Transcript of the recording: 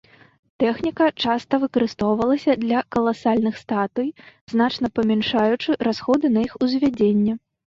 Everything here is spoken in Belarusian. Тэхніка часта выкарыстоўвалася для каласальных статуй, значна памяншаючы расходы на іх узвядзенне.